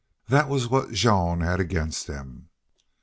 That was what Jean had against them.